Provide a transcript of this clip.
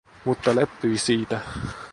Mutta leppyi siitä.